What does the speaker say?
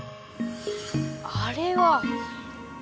あれは。